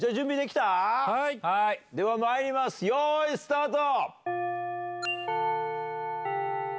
まいりますよいスタート！